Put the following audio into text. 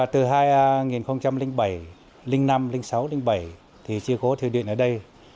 từ hai nghìn bảy hai nghìn năm hai nghìn sáu hai nghìn bảy thì chưa có thủy điện ở đây